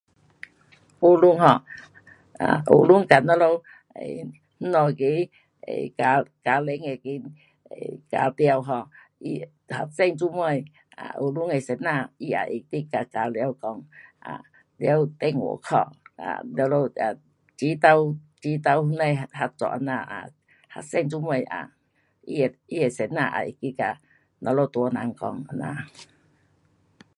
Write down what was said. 学堂 um 学堂跟咱们 um 那家那个 um 家，家庭那个家长 um 学生做什么 um 学堂的先生他有会去跟家长讲。啊，了电话打，啊全部都齐斗齐斗那个合作这样。学生做么，他的先生也会去跟咱们大人讲这样。